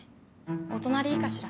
お隣いいかしら？